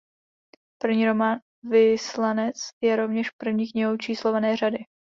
První román "Vyslanec" je rovněž první knihou číslované řady.